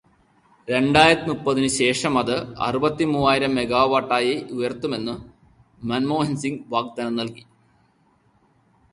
രണ്ടായിരത്തി മുപ്പതിനു ശേഷമത് അറുപത്തിമൂവായിരം മെഗാവാട്ടായി ഉയർത്തുമെന്നും മൻമോഹൻസിങ് വാഗ്ദാനം നൽകി.